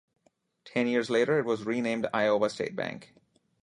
Ten years later it was renamed Iowa State Bank.